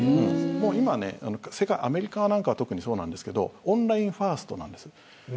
今ね、アメリカは特にそうなんですけどオンラインファーストなんです。